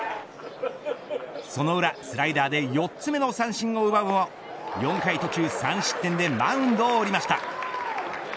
その裏、スライダーで４つ目の三振を奪うも４回途中３失点でマウンドを降りました。